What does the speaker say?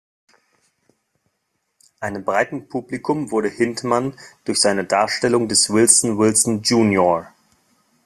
Einem breiten Publikum wurde Hindman durch seine Darstellung des Wilson Wilson Jr.